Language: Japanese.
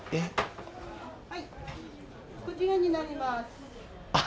こちらになります。